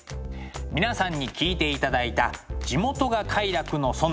皆さんに聴いていただいた「地元が快楽の園」。